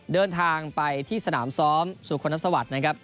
เดินทางไปที่สนามซ้อมสุคลสวัสดิ์นะครับ